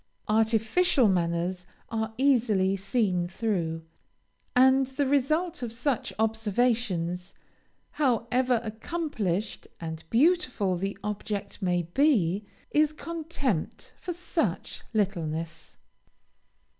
Artificial manners are easily seen through; and the result of such observations, however accomplished and beautiful the object may be, is contempt for such littleness.